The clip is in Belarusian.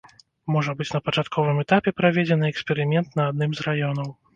Можа быць на пачатковым этапе праведзены эксперымент на адным з раёнаў.